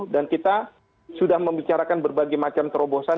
dan kita sudah membicarakan berbagai macam terobosan